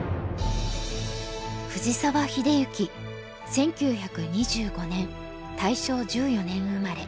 １９２５年大正１４年生まれ。